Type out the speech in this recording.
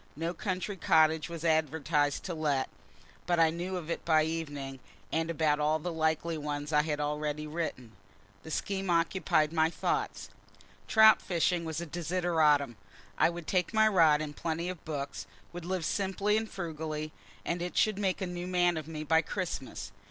No country cottage was advertised to let but I knew of it by evening, and about all the likely ones I had already written. The scheme occupied my thoughts. Trout fishing was a desideratum. I would take my rod and plenty of books, would live simply and frugally, and it should make a new man of me by Christmas.